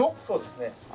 そうですね。